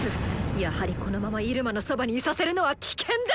やはりこのままイルマのそばにいさせるのは危険だ！